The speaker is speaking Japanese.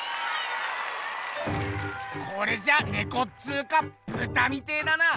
これじゃネコっつうかブタみてえだな！